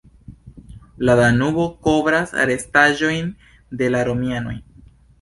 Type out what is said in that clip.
La Danubo kovras restaĵojn de la romianoj.